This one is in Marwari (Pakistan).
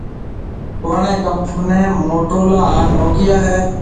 پُراڻِي ڪمپني موٽورولا ھان نوڪيا ھيََََ